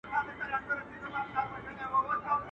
شپې مي په وعدو چي غولولې اوس یې نه لرم !.